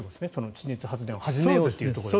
地熱発電を始めようというところで。